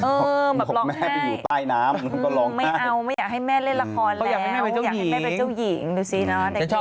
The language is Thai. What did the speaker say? เออบอกแม่ไปอยู่ใต้น้ำ